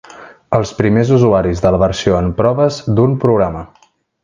Els primers usuaris de la versió en proves d'un programa.